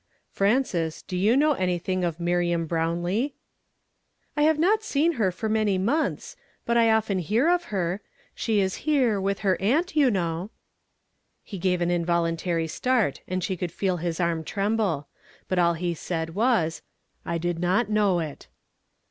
"Frances, do you know anything of Miriam Brownlee ?"" I have not seen lier for many montlis, but I often hear of her. She is liere, with her aunt, you know." He gave an involuntary start, and she could feel his arm tremble ; but all he said M^as, "I did not know it."